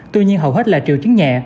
tuy nhiên hầu hết là triệu chứng nhẹ